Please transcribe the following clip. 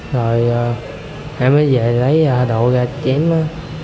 rồi em mới về lấy đồ ra chém nó